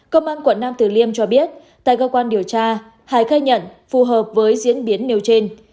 công an quận nam tử liêm cho biết tại cơ quan điều tra hải khai nhận phù hợp với diễn biến nêu trên